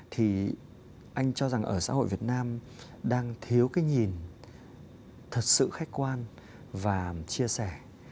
thì anh cho rằng ở xã hội việt nam đang thiếu cái nhìn thật sự khách quan và chia sẻ